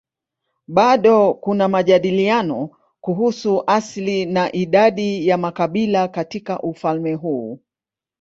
Bado kuna majadiliano kuhusu asili na idadi ya makabila katika ufalme huu.